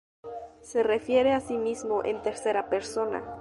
Se refiere a sí mismo en tercera persona.